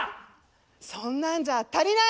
そんなんじゃ足りない！